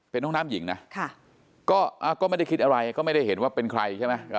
เป็นห้องน้ำหญิงนะก็ไม่ได้คิดอะไรก็ไม่ได้เห็นว่าเป็นใครใช่ไหม